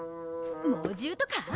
猛獣とか？